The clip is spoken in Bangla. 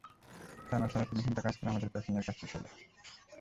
টানা সাড়ে তিন ঘণ্টা কাজ করে আমাদের প্যাকিংয়ের কাজ শেষ হলো।